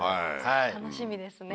楽しみですね。